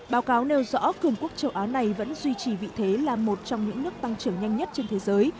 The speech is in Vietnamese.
báo cáo nêu rõ cường quốc châu á này vẫn duy trì vị thế là một trong những nước tăng trưởng nhanh nhất trên thế giới